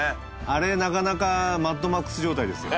あれなかなか『マッドマックス』状態ですよ。